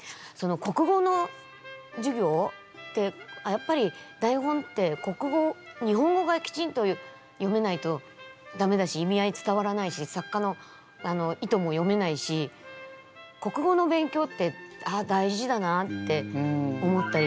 国語の授業ってやっぱり台本って日本語がきちんと読めないとダメだし意味合い伝わらないし作家の意図も読めないし国語の勉強ってああ大事だなって思ったり。